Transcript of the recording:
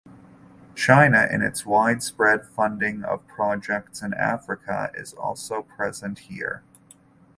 China in its widespread funding of projects in Africa is also present here.